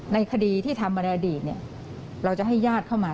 ในคดีที่ทำมาในอดีตเราจะให้ญาติเข้ามา